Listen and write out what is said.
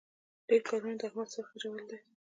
ډېرو کارونو د احمد ساه خېژولې ده.